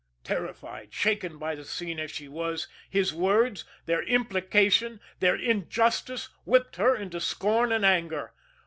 Terrified, shaken by the scene as she was, his words, their implication, their injustice, whipped her into scorn and anger.